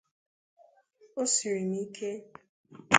Ọ siri m ike.